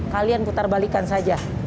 kalian putar balikan saja